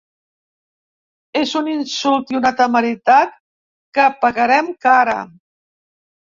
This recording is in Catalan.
És un insult i una temeritat que pagarem cara.